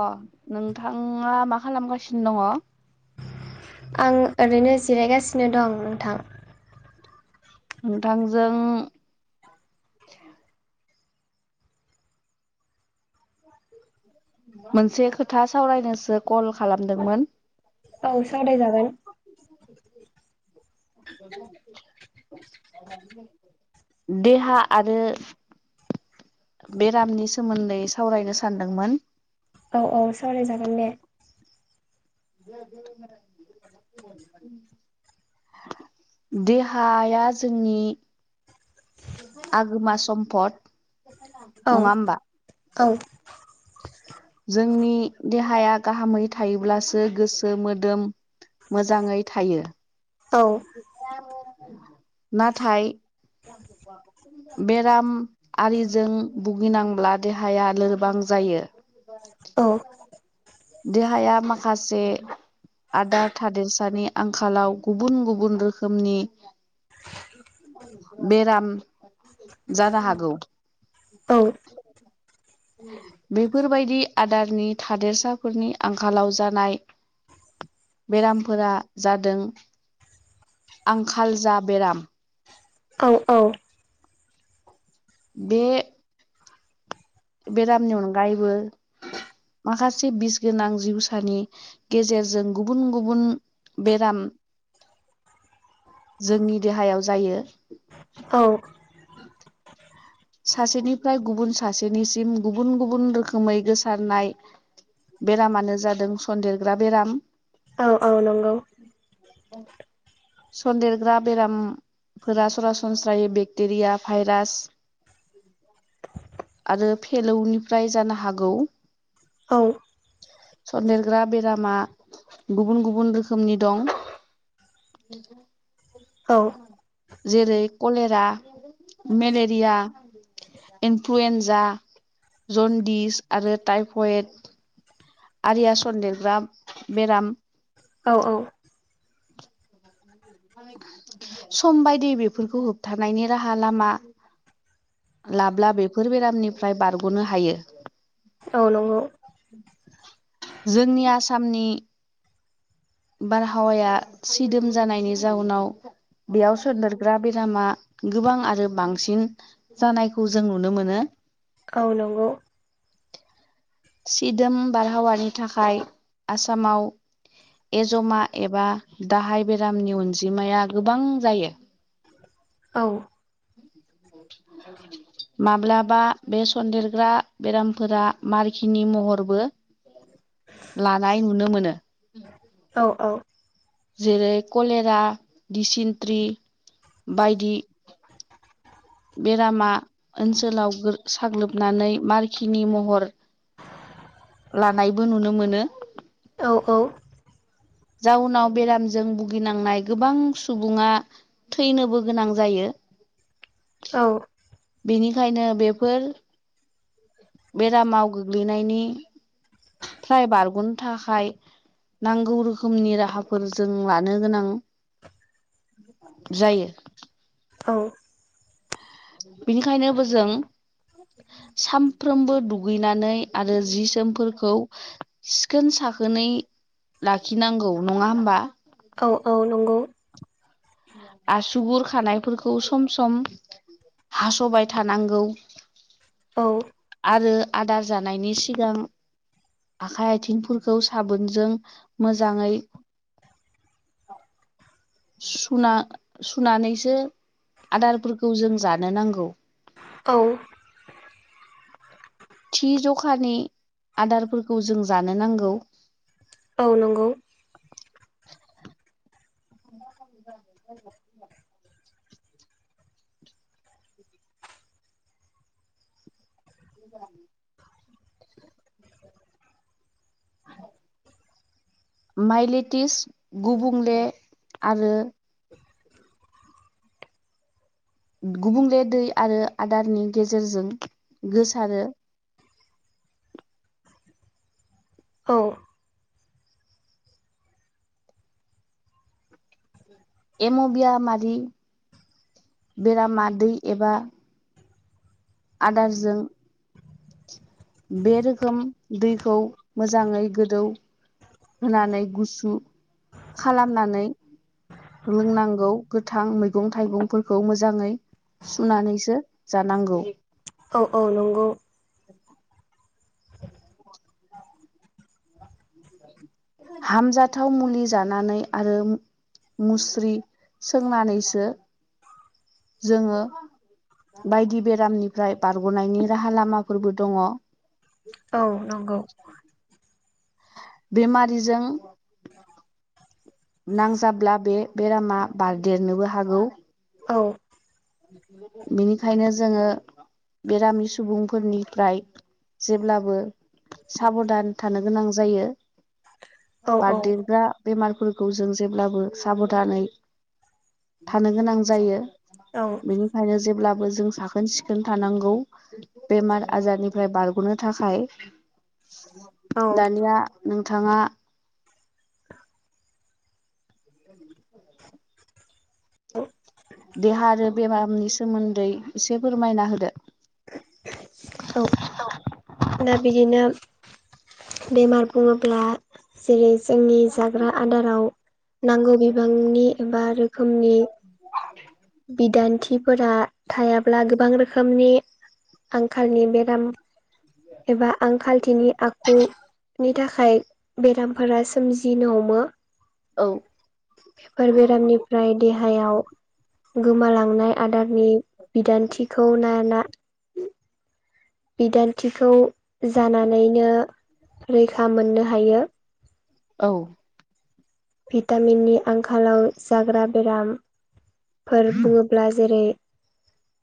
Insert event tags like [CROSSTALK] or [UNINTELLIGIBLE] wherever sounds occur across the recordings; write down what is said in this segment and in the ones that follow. अ नोंथाङा मा खालामगासिनो दङ? आं ओरैनो जिरायगासिनो दं नोंथां। नोंथांजों मोनसे खोथा सावरायनोसो कल खालामदोंमोन। औ सावदाय जागोन। [INAUDIBLE] देहा आरो बेरामनि सोमोन्दै सावरायनो सानदोंमोन औ औ सावरायजागोन दे [INAUDIBLE] देहाया जोंनि आगोमा सम्फद औ नङा ओमबा औ जोंनि देहाया गाहामै थायोब्लासो गोसो मोदोम मोजाङै थायो औ नाथाय बेराम आरिजों भुगिनांब्ला देहाया लोरबां जायो औ देहाया माखासे आदार थादेरसानि आंखालाव गुबुन गुबुन रोखोमनि बेराम जानो हागौ औ बेफोरबायदि आदारनि थादेरसाफोरनि आंखालाव जानाय बेरामफोरा जादों आंखाल जा बेराम औ औ बे बेरामनि अनगायैबो माखासे बिस गोनां जिउसानि गेजेरजों गुबुन गुबुन बेराम जोंनि देहायाव जायो औ सासेनिफ्राय गुबुन सासेनिसिम गुबुन गुबुन रोखोमै गोसारनाय बेरामानो जादों सन्देरग्रा बेराम औ औ नंगौ सन्देरग्रा बेरामफोरा सरासनस्रायै बेक्टेरिया भाइरास आरो फेलौनिफ्राय जानो हागौ औ सनदेरग्रा बेरामा गुबुन गुबुन रोखोमनि दं। औ जेरै कलेरा, मेलेरिया, इनफ्लुयन्जा, जन्दिस आरो टाइफयड आरिया सनदेरग्रा बेराम। औ औ। सम बायदि बेफोरखौ होबथानायनि राहा लामा लाब्ला बेफोर बेरामनिफ्राय बारग'नो हायो। औ नंगौ। जोंनि आसामनि बारहावाया सिदोम जानायनि जाउनाव बेयाव सोदेरग्रा बेरामा गोबां आरो बांसिन जानायखौ जों नुनो मोनो औ नंगौ सिदोम बारहावानि थाखाय आसामाव एजमा एबा दाहाय बेरामनि अनजिमाया गोबां जायो औ माब्लाबा बे सन्देरग्रा बेरामफोरा मारखिनि महरबो लानाय नुनो मोनो। औ औ। जेरै कलेरा, दिसिन्ट्रि बायदि बेरामा ओनसोलाव साग्लोबनानै मारखिनि महर लानायबो नुनो मोनो। औ औ। जाउनाव बेरामजों भुगिनांनाय गोबां सुबुङा थैनोबो गोनां जायो। औ। बेनिखायनो बेफोर बेरामाव गोग्लैनायनि फ्राय बारग'नो थाखाय नांगौ रोखोमनि राहाफोर जों लानो गोनां जायो। औ। बिनिखायनोबो जों सानफ्रोमबो दुगैनानै आरो जि जोमफोरखौ सिखोन साखोनै लाखिनांगौ नङा होमबा? औ औ नंगौ। आसुगुर खानायफोरखौ सम सम हास'बाय थानांगौ औ। आरो आदार जानायनि सिगां आखाइ आथिंफोरखौ साबोनजों मोजाङै [INAUDIBLE] सुना सुनानैसो आदारफोरखौ जों जानो नांगौ। औ। थि जखानि आदारफोरखौ जों जानो नांगौ। औ नंगौ। औ ज ज [INAUDIBLE] माइलेटिस गुबुंले आरो गुबुंले दै आरो आदारनि गेजेरजों गोसारो। औ एम'बिया मादि बेरामा दैै एबा आदारजों बे रोखोम दैखौ मोजाङै गोदौ होनानै गुसु खालामनानै लोंनांगौ गोथां मैगं-थाइगंफोरखौ मोजाङै सुनानैसो जानांगौ। औ औ नंगौ औ [UNINTELLIGIBLE] [INAUDIBLE] [UNINTELLIGIBLE] हामजाथाव मुलि जानानै आरो मुस्रि सोंनानैसो जोङो बायदि बेरामनिफ्राय बारग'नायनि राहा लामाफोरबो दङ। औ नंगौ। बेमारिजों नांजाब्ला बे बेरामा बारदेरनोबो हागौ। औ बेनिखायनो जोङो बेरामि सुबुं फोरनिफ्राय जेब्लाबो साबधान थानो गोनां जायो। औ बारदिंग्रा बेमारफोरखौ जों जेब्लाबो साबधानै थानो गोनां जायो। औ बेनिखायनो जेब्लाबो जों साखोन-सिखोन थानांगौ। बेमार-आजारनिफ्राय बारग'नो थाखाय दानिया नोंथाङा [INAUDIBLE] [INAUDIBLE] देहा आरो बेमारनि सोमोन्दै एसे फोरमायना होदो। औ दा बिदिनो बेमार बुङोब्ला जेरै जोंनि जाग्रा आदाराव नांगौ बिबांनि एबा रोखोमनि बिदान्थिफोरा थायाब्ला गोबां रोखोमनि आंखालनि बेराम एबा आंखालथिनि आखुनि थाखाय बेरामफोरा सोमजिनो हमो औ बेफोर बेरामनिफ्राय देहायाव गोमालांनाय आदारनि बिदान्थिखौ ना ला बिदान्थिखौ जानानैनो रैखा मोननो हायो। औ भिटामिननि आंखालाव जाग्रा बेराम। फोर बुङोब्ला जेरै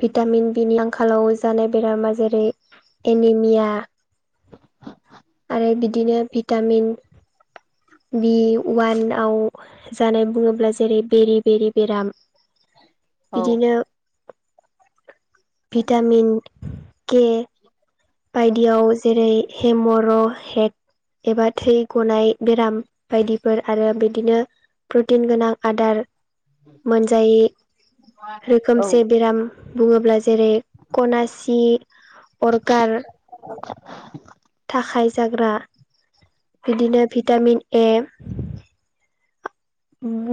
भिटामिन बिनि आंखालाव जानाय बेरामा जेरै एनिमिया। आरो बिदिनो भिटामिन बि वानआव जानाय बुङोब्ला जेरै बेरि-बेरि बेराम औ बिदिनो भिटामिन के बायदियाव जेरै हेमर' हेट एबा थै गनाय बेराम बायदिफोर आरो बिदिनो प्रटिन गोनां आदार मोनजायै औ रोखोमसे बेराम बुङोब्ला जेरै कनासि [INAUDIBLE] दरखार [INAUDIBLE] थाखाय जाग्रा बिदिनो भिटामिन ए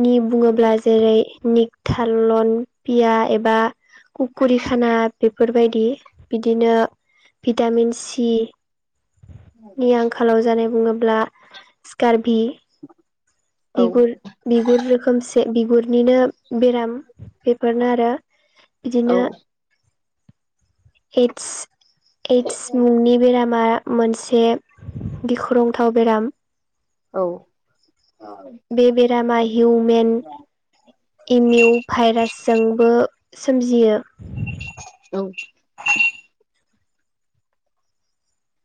नि बुङोब्ला जेरै निकथालन पिया एबा कुकुरि खाना बेफोरबायदि बिदिनो भिटामिन सि नि आंखालाव जानाय बुङोब्ला स्कार भि औ बिगुर बिगुर रोखोमसे बिगुरनिनो बेराम बेफोरनो आरो औ बिदिनो एयदस एयदस मुंनि बेरामा मोनसे गिख्रंथाव बेराम। औ [UNINTELLIGIBLE] बे बेरामा हिउमेन एमिउ भाइरासजोंबो सोमजियो। औ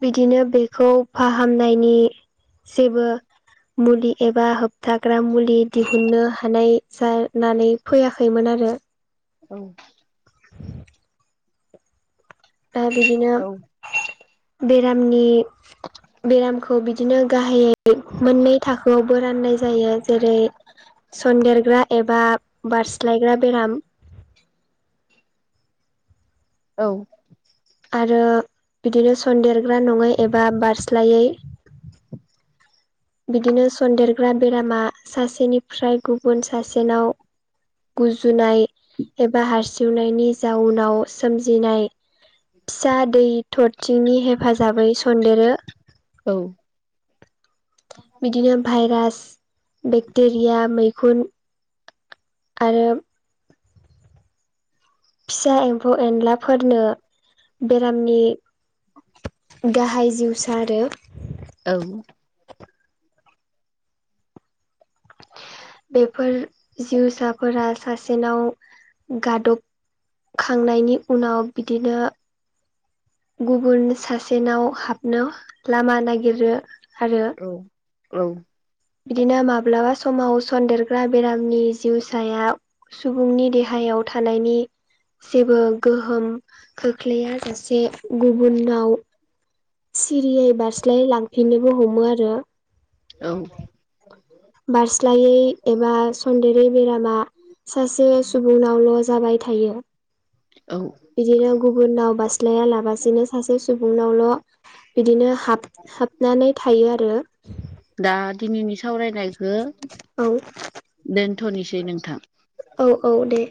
बिदिनो बेखौ फाहामनायनि जेबो मुलि एबा होब थाग्रा मुलि दिहुननो हानाय जानानै फैयाखैमोन आरो औ [INAUDIBLE] दा बिदिनो बेरामनि बेराम खौ बिदिनो गाहायै मोननै थाखोआवबो राननाय जायो जेरै सनन्देरग्रा एबा बारस्लायग्रा बेराम औ आरो बिदिनो सनदेरग्रा नङै एबा बारस्लायै बिदिनो सन्देरग्रा बेरामा सासेनिफ्राय गुबुन सासेनाव गुजुनाय एबा हारसिंनायनि जाउनाव सोमजिनाय फिसा दै थरथिंनि हेफाजाबै सन्देरो औ बिदिनो भाइरास बेक्टेरिया मैखुन आरो फिसा एम्फौ एनलाफोरनो बेरामनि गाहाय जिउ सा आरो औ बेफोर जिउसाफोरा सासेनाव गादब खांनायनि उनाव बिदिनो गुबुन सासेनाव हाबनो लामा नागिरो आरो औ -औ बिदिनो माब्लाबा समाव सन्देरग्रा बेरामनि जिउसाया सुबुंनि देहायाव थानायनि जेबो गोहोम खोख्लैया सासे गुबुननाव सिरियै बारस्लाय लांफिननोबो हमो आरो औ [INAUDIBLE] बारस्लायै एबा सन्देरै बेरामा सासे सुबुंनावल' जाबाय थायो औ बिदिनो गुबुननाव बास्लाया लाबासिनो सासे सुबुंनावल' बिदिनो हाब हाबनानै थायो आरो दा दिनैनि सावरायनायखौ औ दोनथ'निसै नोंथां औ -औ दे